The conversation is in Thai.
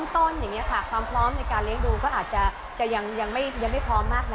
๑๐ต้นความพร้อมในการเลี้ยงรูก็อาจจะยังไม่พร้อมมากนะ